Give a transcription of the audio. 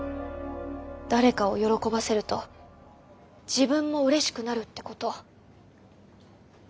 誰かを喜ばせると自分もうれしくなるってこと。